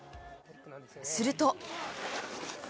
すると。